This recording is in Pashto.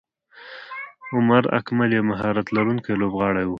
عمر اکمل یو مهارت لرونکی لوبغاړی وو.